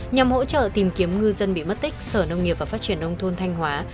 nhằm hỗ trợ tìm kiếm ngư dân bị mất tích sở nông nghiệp và phát triển nông thôn thanh hóa